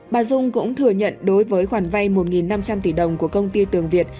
bà dung cũng thừa nhận đối với khoản vay một năm trăm linh tỷ đồng của công ty tường việt